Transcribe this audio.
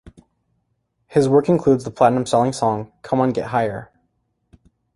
His work includes the platinum-selling song "Come On Get Higher".